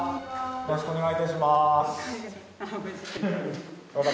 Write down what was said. よろしくお願いします。